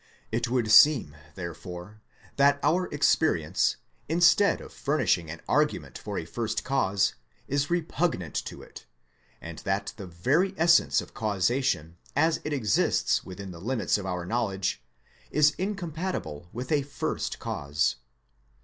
It would seem therefore that our experience, instead of furnishing an argument for a first cause, is repugnant to it; and that the very essence of causation as it exists within the limits of our knowledge, is incompatible with a First Cause.